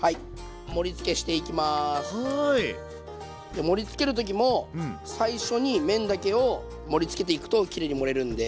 で盛りつける時も最初に麺だけを盛りつけていくときれいに盛れるんで。